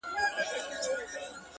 • ستا غمونه مي د فكر مېلمانه سي ـ